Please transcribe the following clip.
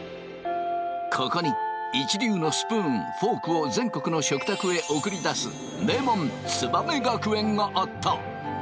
ここに一流のスプーンフォークを全国の食卓へ送り出す名門燕学園があった。